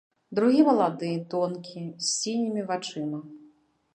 Другі малады, тонкі, з сінімі вачыма.